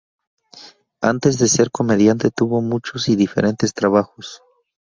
Antes de ser comediante tuvo muchos y diferentes trabajos.